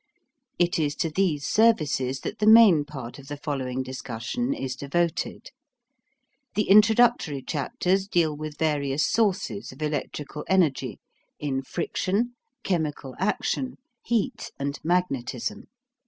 It is to these services that the main part of the following discussion is devoted. The introductory chapters deal with various sources of electrical energy, in friction, chemical action, heat and magnetism.